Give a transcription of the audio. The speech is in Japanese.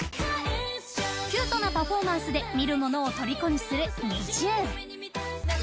キュートなパフォーマンスで見る者をとりこにするＮｉｚｉＵ。